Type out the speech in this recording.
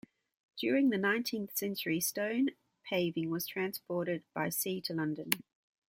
During the nineteenth century stone paving was transported by sea to London.